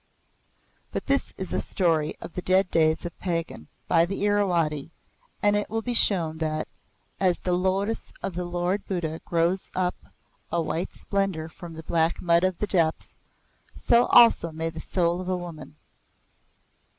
But this is a story of the dead days of Pagan, by the Irawadi, and it will be shown that, as the Lotus of the Lord Buddha grows up a white splendour from the black mud of the depths, so also may the soul of a woman.